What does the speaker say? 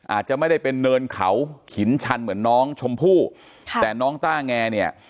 อาจจะไม่ได้เป็นเนินเขาหินชันเหมือนน้องชมพู่ค่ะแต่น้องต้าแงเนี่ย